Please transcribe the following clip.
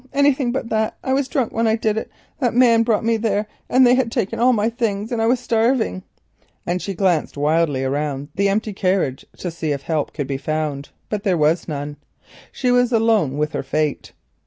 anything but that. I was drunk when I did it; that man brought me there, and they had taken all my things, and I was starving," and she glanced wildly round the empty carriage to see if help could be found, but there was none. She was alone with her fate.